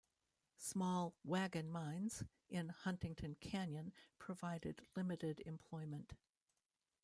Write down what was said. Small "wagon mines" in Huntington Canyon provided limited employment.